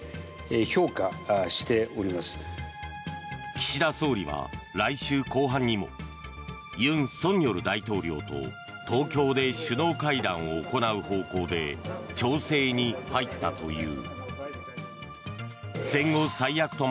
岸田総理は来週後半にも尹錫悦大統領と東京で首脳会談を行う方向で調整に入ったという。